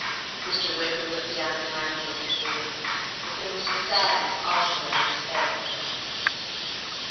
Mr. Wicker looked down kindly at the boy, but there was a sadness also in his face.